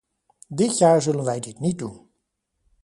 Dit jaar zullen wij dit niet doen.